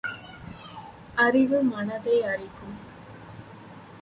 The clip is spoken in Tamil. அறிவு மனத்தை அரிக்கும்.